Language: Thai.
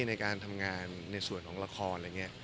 ในการทำงานในส่วนของละคร